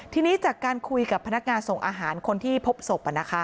ทีนี้จากการคุยกับพนักงานส่งอาหารคนที่พบศพ